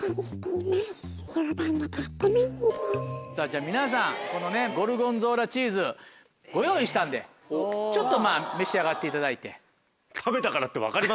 じゃあ皆さんこのねゴルゴンゾーラチーズご用意したんでちょっとまぁ召し上がっていただいて。